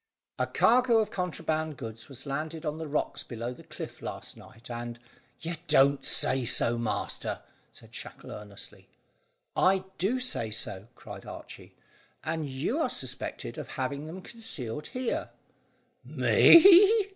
"A cargo of contraband goods was landed on the rocks below the cliff last night, and " "You don't say so, master!" said Shackle earnestly. "I do say so," cried Archy; "and you are suspected of having them concealed here." "Me!"